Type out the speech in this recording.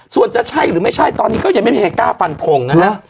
ส่วนจะใช่หรือไม่ใช่ตอนนี้ก็ยังไม่มีใครกล้าฟันทงนะฮะ